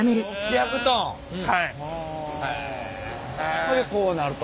ほんでこうなると。